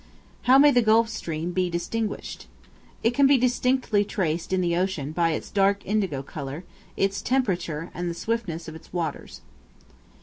How may the Gulf Stream be distinguished? It can be distinctly traced in the ocean by its dark indigo color, its temperature, and the swiftness of its waters.